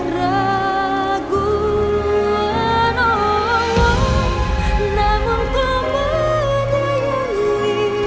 kamu pernah mau jalan jalan